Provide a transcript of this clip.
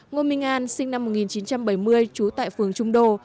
ngô minh an sinh năm một nghìn chín trăm bảy mươi trú tại phường trung đô